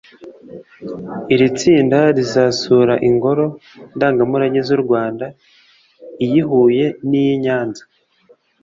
Iri tsinda rizasura ingoro ndangamurage z’u Rwanda; iy’i Huye n’iy’i Nyanza